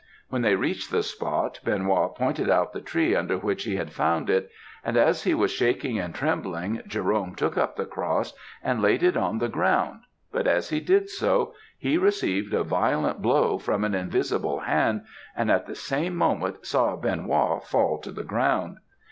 When they reached the spot, Benoît pointed out the tree under which he had found it; and as he was shaking and trembling, Jerome took up the cross and laid it on the ground, but as he did so he received a violent blow from an invisible hand, and at the same moment saw Benoît fall to the ground.